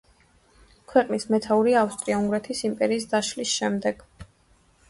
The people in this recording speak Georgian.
ქვეყნის მეთაური ავსტრია-უნგრეთის იმპერიის დაშლის შემდეგ.